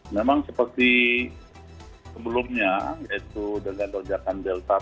memang seperti sebelumnya yaitu dengan lonjakan delta